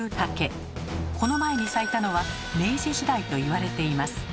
この前に咲いたのは明治時代と言われています。